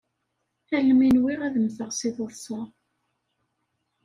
Almi nwiɣ ad mteɣ si teḍṣa.